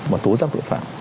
và tố giáp tội phạm